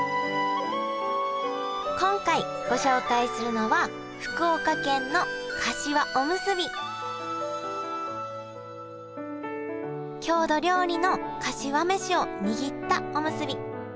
今回ご紹介するのは郷土料理のかしわ飯を握ったおむすび。